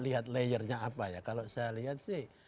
lihat layernya apa ya kalau saya lihat sih